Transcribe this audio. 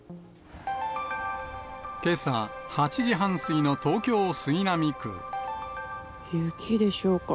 けさ８時半過ぎの東京・杉並雪でしょうか。